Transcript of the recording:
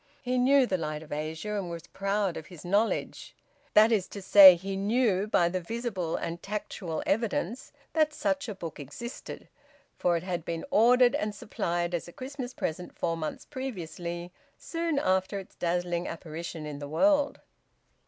He knew "The Light of Asia," and was proud of his knowledge; that is to say, he knew by visible and tactual evidence that such a book existed, for it had been ordered and supplied as a Christmas present four months previously, soon after its dazzling apparition in the world.